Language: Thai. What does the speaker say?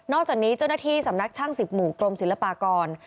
จากนี้เจ้าหน้าที่สำนักช่าง๑๐หมู่กรมศิลปากร